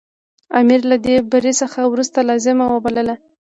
امیر له دې بري څخه وروسته لازمه وبلله.